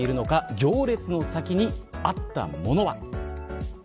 行列の先にあったものは。